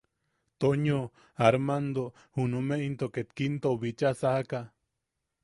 Toño, Amando junume into ket Kintou bicha sajaka.